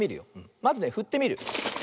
まずねふってみる。